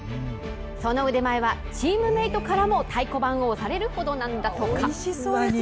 その腕前は、チームメートからも太鼓判を押されるほどなんだとか。